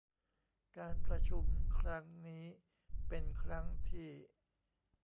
การประชุมครั้งนี้เป็นครั้งที่